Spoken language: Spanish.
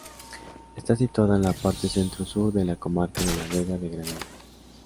Está situada en la parte centro-sur de la comarca de la Vega de Granada.